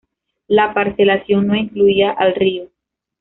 La parcelación no incluía al río.